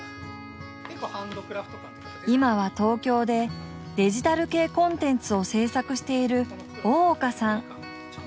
今は東京でデジタル系コンテンツを制作している大岡さん。